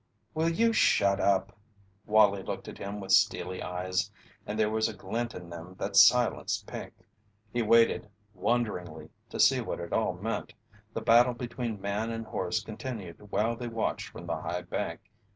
"Will you shut up?" Wallie looked at him with steely eyes, and there was a glint in them that silenced Pink. He waited, wonderingly, to see what it all meant. The battle between man and horse continued while they watched from the high bank.